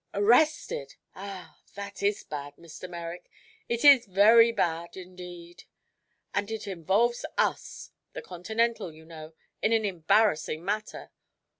"Arrested! Ah, that is bad, Mr. Merrick. It is very bad indeed. And it involves us the Continental, you know in an embarrassing manner."